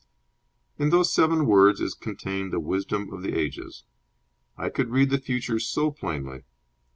In those seven words is contained the wisdom of the ages. I could read the future so plainly.